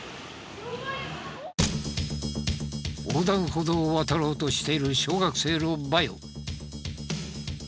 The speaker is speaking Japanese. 横断歩道を渡ろうとしている小学生の前を。